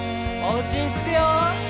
「おうちにつくよ」